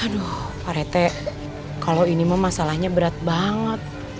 aduh pak rete kalau ini mah masalahnya berat banget